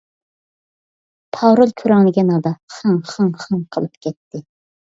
پارول كۆرەڭلىگەن ھالدا «خىڭ خىڭ خىڭ» قىلىپ كەتتى.